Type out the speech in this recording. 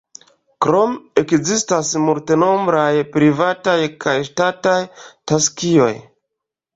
Krome ekzistas multnombraj privataj kaj ŝtataj taksioj.